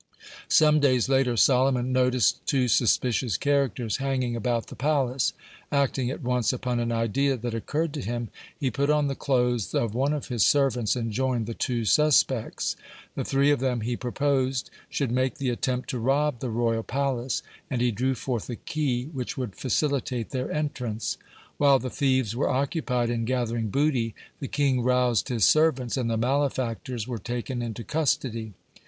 Some days later Solomon noticed two suspicious characters hanging about the palace. Acting at once upon an idea that occurred to him, he put on the clothes of one of his servants and joined the two suspects. The three of them, he proposed, should make the attempt to rob the royal palace, and he drew forth a key which would facilitate their entrance. While the thieves were occupied in gathering booty, the king roused his servants, and the malefactors were taken into custody.